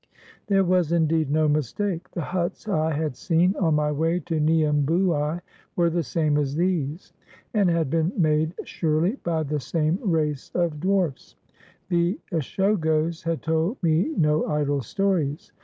There was, indeed, no mistake: the huts I had seen on my way to Niembouai were the same as these, and had 402 THE VILLAGE OF DWARFS been made surely by the same race of dwarfs. The Ishogos had told me no idle stories.